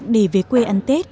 để về quê ăn tết